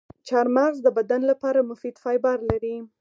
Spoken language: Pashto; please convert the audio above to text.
چارمغز د بدن لپاره مفید فایبر لري.